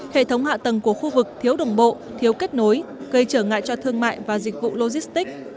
hệ thống hạ tầng của khu vực thiếu đồng bộ thiếu kết nối gây trở ngại cho thương mại và dịch vụ logistics